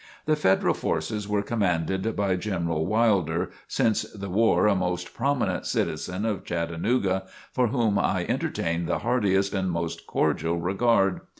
The Federal forces were commanded by General Wilder, since the war a most prominent citizen of Chattanooga, for whom I entertain the heartiest and most cordial regard.